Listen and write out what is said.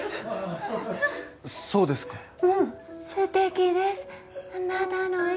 そうですか。